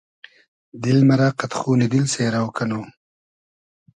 دیل مئرۂ قئد خونی دیل سېرۆ کئنو